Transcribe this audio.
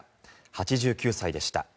８９歳でした。